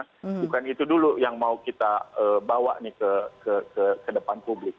bukan itu dulu yang mau kita bawa nih ke depan publik